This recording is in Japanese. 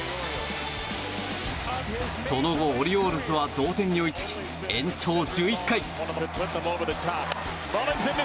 その後、オリオールズは同点に追いつき延長１１回。